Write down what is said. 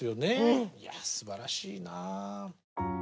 いやすばらしいなあ。